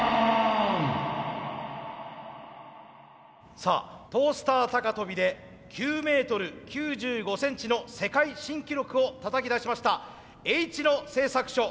さあ「トースター高跳び」で９メートル９５センチの世界新記録をたたき出しましたＨ野製作所。